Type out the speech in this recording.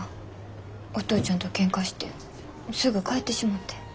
お父ちゃんとケンカしてすぐ帰ってしもて。